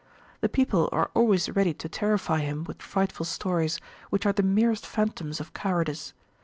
The people are always ready to terrify him with frightful stories, which are the merest phantoms of cowardice.